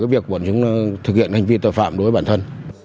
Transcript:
việc thực hiện hành vi tội phạm đối với bản thân